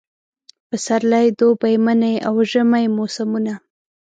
پسرلی، دوبی، منی اوژمی موسمونه